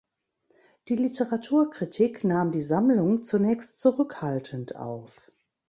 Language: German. Die Literaturkritik nahm die Sammlung zunächst zurückhaltend auf.